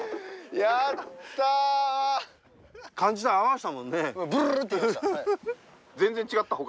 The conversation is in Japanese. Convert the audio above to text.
やった！